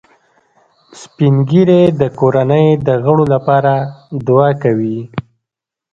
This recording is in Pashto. سپین ږیری د کورنۍ د غړو لپاره دعا کوي